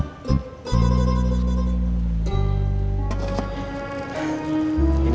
kamu mau bikin saya bingung atukum